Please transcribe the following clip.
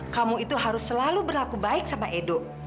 kamu itu harus selalu berlaku baik sama edo